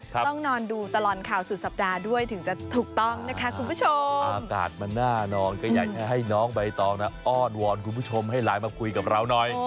ต้องนอนดูตลอดข่าวสุดสัปดาห์ด้วยถึงจะถูกต้องนะคะคุณผู้ชมอากาศมันน่านอนก็อยากจะให้น้องใบตองนะอ้อนวอนคุณผู้ชมให้ไลน์มาคุยกับเราหน่อย